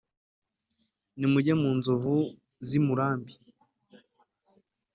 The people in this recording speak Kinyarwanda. nimujye mu nzovu z' i murambi